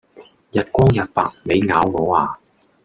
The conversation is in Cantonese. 日光日白,你咬我呀?